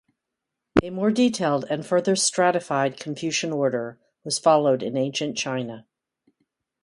A more detailed and further stratified Confucian order was followed in ancient China.